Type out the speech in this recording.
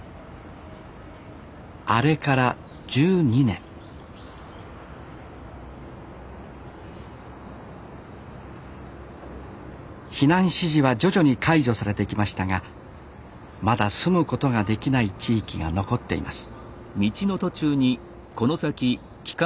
あれから１２年避難指示は徐々に解除されてきましたがまだ住むことができない地域が残っています